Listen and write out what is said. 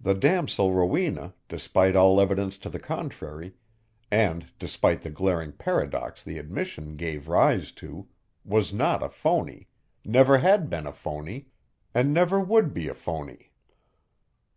The damosel Rowena, despite all evidence to the contrary and despite the glaring paradox the admission gave rise to, was not a phony, never had been a phony, and never would be a phony.